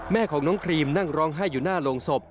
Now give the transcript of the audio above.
แม่ของน้องครีมนั่งร้องไห้อยู่หน้าโรงศพ